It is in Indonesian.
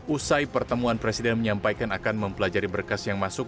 usai pertemuan presiden menyampaikan akan mempelajari berkas yang masuk